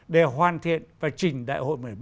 để hoàn thiện và trình đại hội một mươi ba